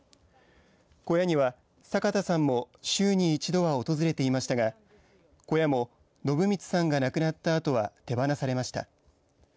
小屋には坂田さんも週に一度は訪れていましたが小屋も晨満さんが亡くなったあとは手放されました。